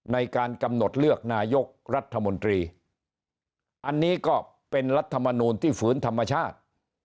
ในการกำหนดเลือกนายกรัฐมนตรีอันนี้ก็เป็นรัฐมนูลที่ฝืนธรรมชาติ